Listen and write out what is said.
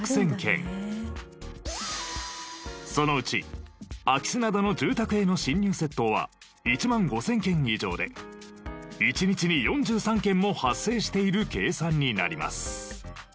そのうち空き巣などの住宅への侵入窃盗は１万５０００件以上で一日に４３件も発生している計算になります。